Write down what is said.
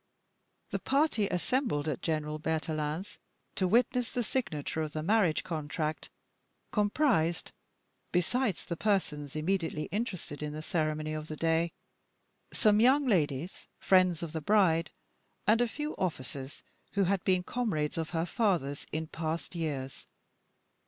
The party assembled at General Berthelin's to witness the signature of the marriage contract, comprised, besides the persons immediately interested in the ceremony of the day, some young ladies, friends of the bride, and a few officers, who had been comrades of her father's in past years.